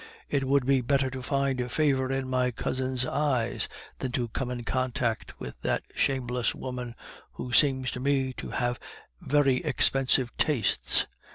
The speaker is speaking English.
It would be better to find favor in my cousin's eyes than to come in contact with that shameless woman, who seems to me to have very expensive tastes.